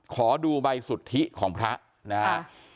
ขอดูใบสุทธิของพระนะครับ